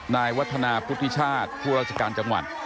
นายวัฒนาพุทธิชาติผู้ราชการจังหวัด